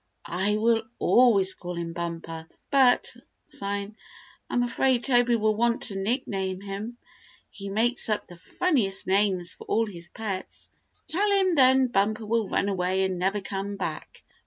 "I will always call him Bumper, but" sighing "I'm afraid Toby will want to nickname him. He makes up the funniest names for all his pets." "Tell him then Bumper will run away and never come back.